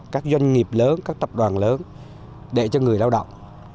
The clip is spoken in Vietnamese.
các doanh nghiệp lớn các tập đoàn lớn để cho người lao động